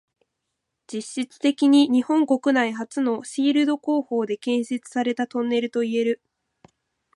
実質的に日本国内初のシールド工法で建設されたトンネルといえる。